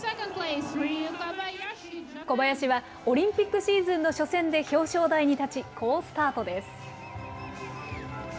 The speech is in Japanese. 小林はオリンピックシーズンの初戦で表彰台に立ち、好スタートです。